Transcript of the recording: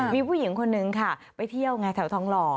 มีผู้หญิงคนนึงค่ะไปเที่ยวไงแถวทองหล่อ